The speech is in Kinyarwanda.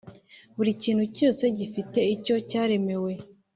buri kintu cyose gifite icyo cyaremewe.